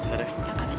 ya ntar deh